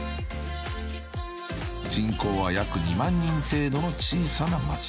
［人口は約２万人程度の小さな街］